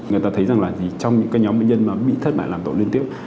người ta thấy rằng là trong những nhóm bệnh nhân bị thất bại làm tổ liên tiếp